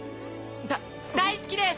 だ大好きです！